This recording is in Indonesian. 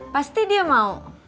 pasti dia mau